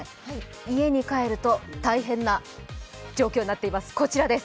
家に帰ると大変な状況になっています。